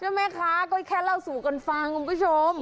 ใช่มั้ยค่ะก็แค่เล่าสู่กันฟังคุณผู้ชม